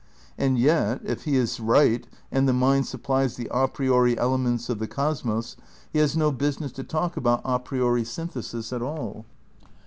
And yet, if he is right and the mind sup plies the a priori elements of the cosmos, he has no I THE CRITICAL PREPARATIONS 7 business to talk about a priori synthesis at all.